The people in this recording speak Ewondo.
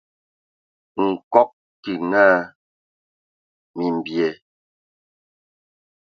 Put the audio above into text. Nkɔg kig naa : "Mimbyɛ".